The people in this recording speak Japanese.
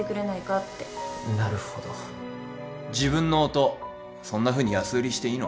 ってなるほど自分の音そんなふうに安売りしていいの？